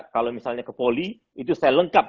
kalau misalnya ke poli itu saya lengkap